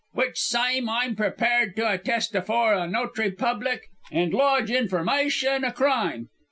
Which syme I'm pre pared to attest afore a no'try publick, an' lodge informeye tion o' crime.